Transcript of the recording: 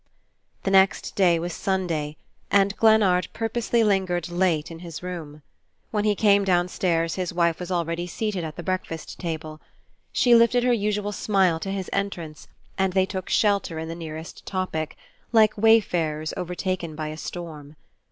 The next day was Sunday, and Glennard purposely lingered late in his room. When he came downstairs his wife was already seated at the breakfast table. She lifted her usual smile to his entrance and they took shelter in the nearest topic, like wayfarers overtaken by a storm.